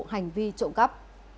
hành vi trộm gấp